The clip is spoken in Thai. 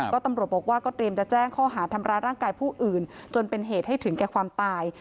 ก็ตำรวจบอกว่าก็เตรียมจะแจ้งข้อหาทำร้ายร่างกายผู้อื่นจนเป็นเหตุให้ถึงแก่ความตาย